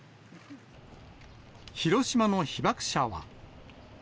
広島の被爆者は。